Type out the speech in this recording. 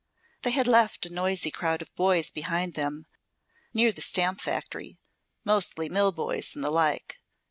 They had left a noisy crowd of boys behind them, near the stamp Factory, mostly mill boys, and the like.